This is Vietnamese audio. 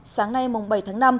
sáng nay mùng bảy tháng năm